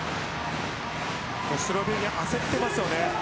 スロベニア、焦ってますよね。